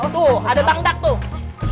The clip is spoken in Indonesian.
tuh ada bangdak tuh